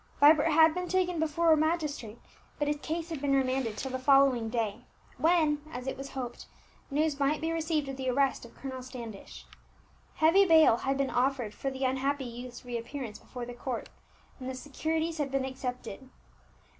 Vibert had been taken before a magistrate, but his case had been remanded till the following day, when, as it was hoped, news might be received of the arrest of Colonel Standish. Heavy bail had been offered for the unhappy youth's reappearance before the court, and the securities had been accepted.